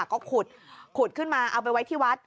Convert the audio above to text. ก็ขุดขุดขึ้นมาเอาไปไว้ที่วัด